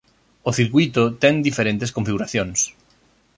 O circuíto ten diferentes configuracións.